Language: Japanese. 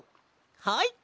はい！